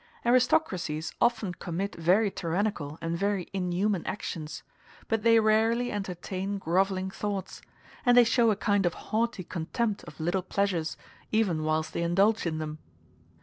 Aristocracies often commit very tyrannical and very inhuman actions; but they rarely entertain grovelling thoughts; and they show a kind of haughty contempt of little pleasures, even whilst they indulge in them.